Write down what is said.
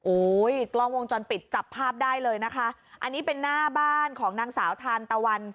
กล้องวงจรปิดจับภาพได้เลยนะคะอันนี้เป็นหน้าบ้านของนางสาวทานตะวัน